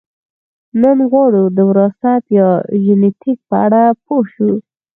نن غواړو د وراثت یا ژنیتیک په اړه پوه شو